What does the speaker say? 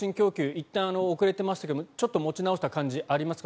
いったん遅れてましたがちょっと持ち直した感じありますか？